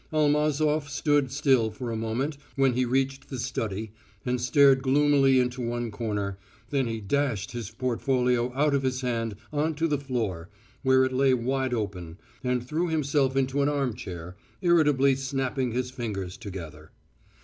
Almazof stood still for a moment when he reached the study, and stared gloomily into one corner, then he dashed his portfolio out of his hand on to the floor, where it lay wide open, and threw himself into an armchair, irritably snapping his fingers together.